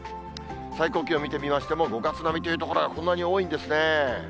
最高気温見てみましても、５月並みという所がこんなに多いんですね。